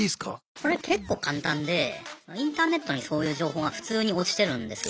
これ結構簡単でインターネットにそういう情報が普通に落ちてるんですよ。